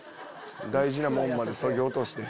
大事なもんまでそぎ落として。